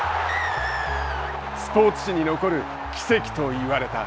スポーツ史に残る奇跡といわれた。